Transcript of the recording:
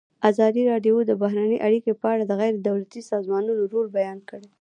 ازادي راډیو د بهرنۍ اړیکې په اړه د غیر دولتي سازمانونو رول بیان کړی.